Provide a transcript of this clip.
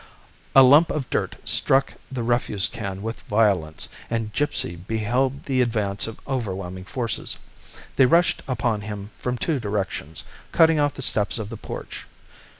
A lump of dirt struck the refuse can with violence, and Gipsy beheld the advance of overwhelming forces. They rushed upon him from two directions, cutting off the steps of the porch.